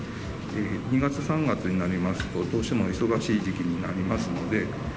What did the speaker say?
２月３月になりますと、どうしても忙しい時期になりますので。